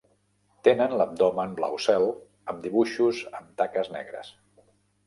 Tenen l'abdomen blau cel amb dibuixos amb taques negres.